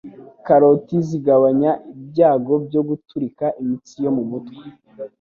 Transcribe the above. Karoti zigabanya ibyago byo guturika imitsi yo mu mutwe